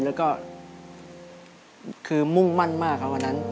แล้วก็คือมุ่งมั่นมากครับวันนั้น